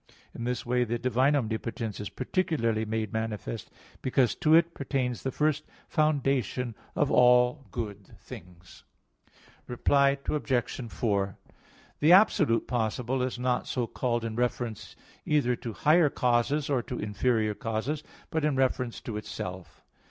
In this way the divine omnipotence is particularly made manifest, because to it pertains the first foundation of all good things. Reply Obj. 4: The absolute possible is not so called in reference either to higher causes, or to inferior causes, but in reference to itself.